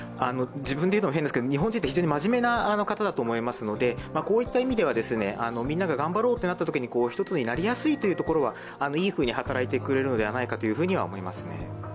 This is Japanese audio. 日本人って非常に真面目な方だと思いますのでこういった意味では、みんなが頑張ろうってなったときに一つになりやすいというところは、いいふうに働いてくれるのではないかと思います。